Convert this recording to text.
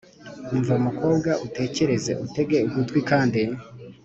Umva mukobwa utekereze utege ugutwi Kandi